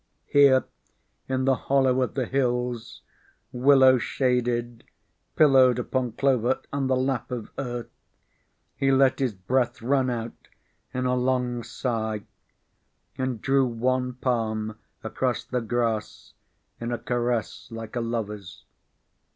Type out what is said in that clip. Here in the hollow of the hills, willow shaded, pillowed upon clover and the lap of Earth, he let his breath run out in a long sigh and drew one palm across the grass in a caress like a lover's.